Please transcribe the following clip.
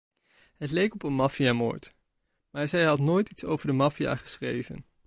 Het leek op een maffiamoord, maar zij had nooit iets over de maffia geschreven.